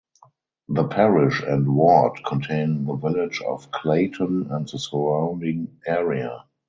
The parish and ward contain the village of Clayton and the surrounding area.